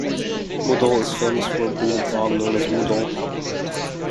Mudhol is famous for a breed of dog known as the Mudhol Hound.